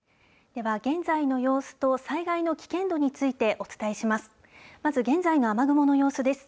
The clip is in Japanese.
では現在の様子と、災害の危険度についてお伝えします。